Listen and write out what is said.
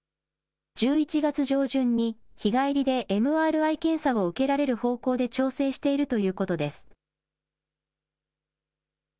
１１月上旬に日帰りでＭＲＩ検査を受けられる方向で調整しているということです。